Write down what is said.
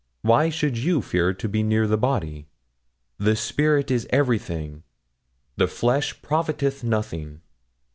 Why should you fear to be near the body? The spirit is everything; the flesh profiteth nothing.'